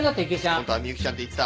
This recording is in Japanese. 本当はミユキちゃんって言ってた。